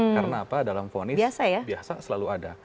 karena apa dalam fonis biasa selalu ada